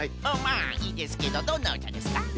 まあいいですけどどんなうたですか？